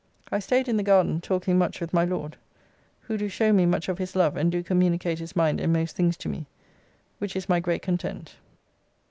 I staid in the garden talking much with my Lord, who do show me much of his love and do communicate his mind in most things to me, which is my great content.